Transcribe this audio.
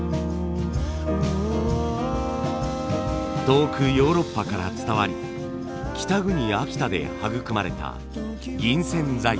遠くヨーロッパから伝わり北国秋田で育まれた銀線細工。